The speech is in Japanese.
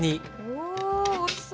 おおいしそう！